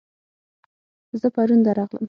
زه پرون درغلم